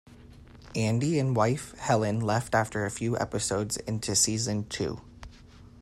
Andy and wife Helen left after a few episodes into season two.